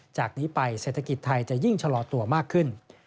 จากนี้ไปเศรษฐกิจไทยจะยิ่งชะลอตัวมากขึ้น